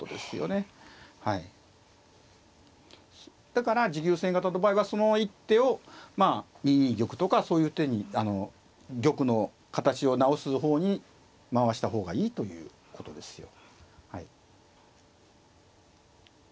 だから持久戦型の場合はその一手をまあ２二玉とかそういう手に玉の形を直す方に回した方がいいということですよ。